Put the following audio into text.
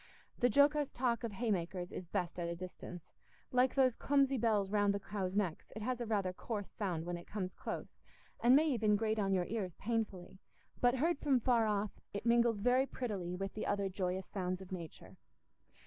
The jocose talk of hay makers is best at a distance; like those clumsy bells round the cows' necks, it has rather a coarse sound when it comes close, and may even grate on your ears painfully; but heard from far off, it mingles very prettily with the other joyous sounds of nature.